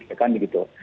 ya kan begitu